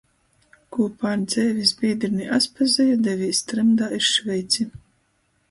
Kūpā ar dzeivis bīdrini Aspazeju devīs trymdā iz Šveici,